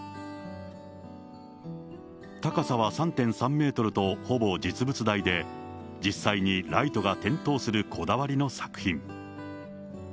高さは３．３メートルと、ほぼ実物大で実際にライトが点灯するこだわりの作品。